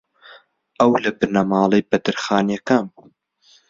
ئەو لە بنەماڵەی بەدرخانییەکان بوو